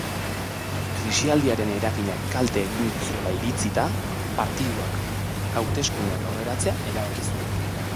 Krisialdiaren eraginak kalte egingo ziola iritzita, partiduak hauteskundeak aurreratzea erabaki zuen.